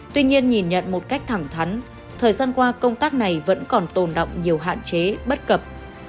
tuy nhiên nhìn nhận một cách thẳng thắn thời gian qua công tác này vẫn còn tồn động nhiều hạn chế bất cập